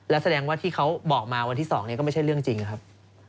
แล้วแสดงว่าที่เขาบอกมาวันที่๒ก็ไม่ใช่เรื่องจริงครับ